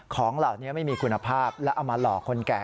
ของเหล่านี้ไม่มีคุณภาพแล้วเอามาหลอกคนแก่